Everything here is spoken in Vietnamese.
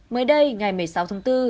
mới đây ngày một mươi sáu tháng bốn